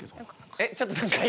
えっちょっと何か今？